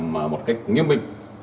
một cách nghiêm minh